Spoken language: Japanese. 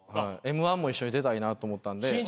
Ｍ−１も一緒に出たいなと思ったんで。